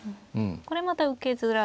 これまた受けづらい。